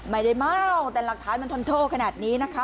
เมาแต่หลักฐานมันทนโทษขนาดนี้นะคะ